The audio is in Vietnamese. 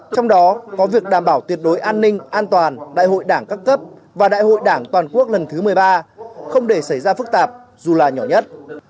trong đó có việc đảm bảo tuyệt đối an ninh an toàn đại hội đảng các cấp và đại hội đảng toàn quốc lần thứ một mươi ba không để xảy ra phức tạp dù là nhỏ nhất